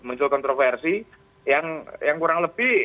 muncul kontroversi yang kurang lebih